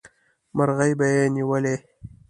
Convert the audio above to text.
مرغۍ به یې نیولې.